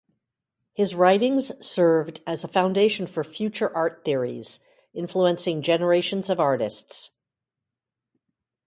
His writings served as a foundation for future art theories, influencing generations of artists.